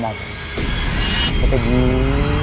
แล้วก็ยื้อ